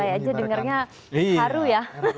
saya aja dengarnya haru ya